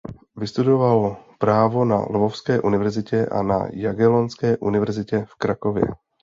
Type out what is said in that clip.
Vystudoval právo na Lvovské univerzitě a na Jagellonské univerzitě v Krakově.